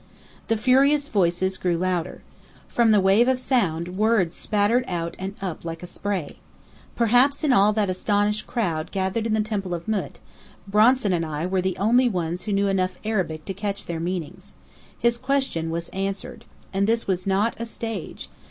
The furious voices grew louder. From the wave of sound words spattered out and up like spray. Perhaps in all that astonished crowd gathered in the Temple of Mût, Bronson and I were the only ones who knew enough Arabic to catch their meaning. His question was answered. And this was not a stage.